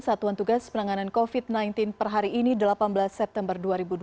satuan tugas penanganan covid sembilan belas per hari ini delapan belas september dua ribu dua puluh